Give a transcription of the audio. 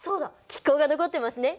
気候が残ってますね。